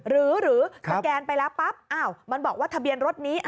หรือสแกนไปแล้วปั๊บมันบอกว่าทะเบียนรถนี้